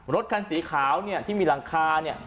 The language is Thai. รถคันสีขาวเนี่ยที่มีหลังคาเนี่ย